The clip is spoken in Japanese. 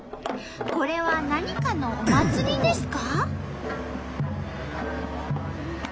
これは何かのお祭りですか？